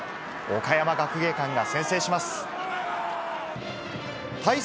岡山学芸館が先制します。